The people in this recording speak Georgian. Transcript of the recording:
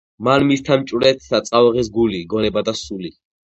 მან მისთა მჭვრეტთა წაუღის გული, გონება და სული,